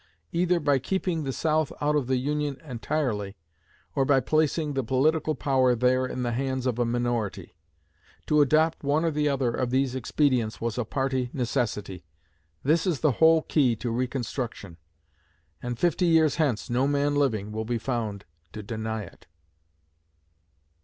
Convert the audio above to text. _; either by keeping the South out of the Union entirely or by placing the political power there in the hands of a minority. To adopt one or the other of these expedients was a party necessity. This is the whole key to Reconstruction; and fifty years hence no man living will be found to deny it.